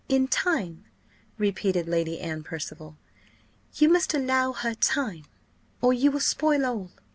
"In time," repeated Lady Anne Percival: "you must allow her time, or you will spoil all."